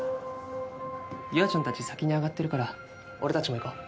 優愛ちゃんたち先に上がってるから俺たちも行こう。